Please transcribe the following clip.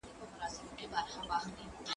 زه اجازه لرم چي انځور وګورم؟